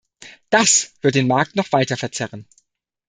Das wird den Markt noch weiter verzerren.